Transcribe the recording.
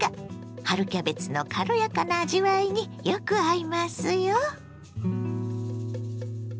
春キャベツの軽やかな味わいによく合いますよ。